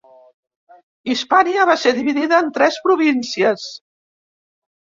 Hispània va ser dividida en tres províncies: